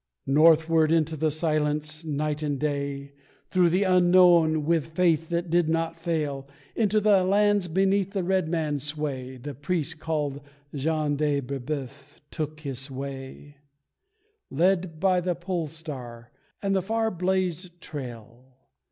Northward into the silence, night and day, Through the unknown, with faith that did not fail, Into the lands beneath the redman's sway, The priest called Jean de Breboeuf took his way, Led by the Polestar and the far blazed trail.